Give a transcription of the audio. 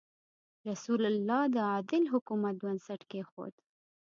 رسول الله د عادل حکومت بنسټ کېښود.